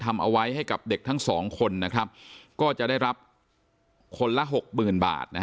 ทำเอาไว้ให้กับเด็กทั้งสองคนนะครับก็จะได้รับคนละหกหมื่นบาท